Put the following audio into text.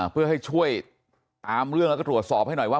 เพื่อให้ช่วยตามเรื่องแล้วก็ตรวจสอบให้หน่อยว่า